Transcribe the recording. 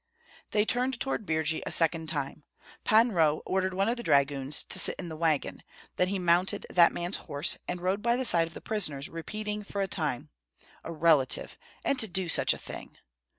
They turned toward Birji a second time. Pan Roh ordered one of the dragoons to sit in the wagon; then he mounted that man's horse, and rode by the side of the prisoners, repeating for a time, "A relative, and to do such a thing!"